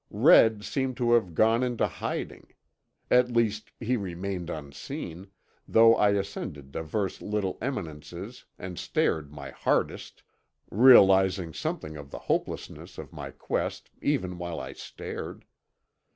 Red seemed to have gone into hiding. At least, he remained unseen, though I ascended divers little eminences and stared my hardest, realizing something of the hopelessness of my quest even while I stared.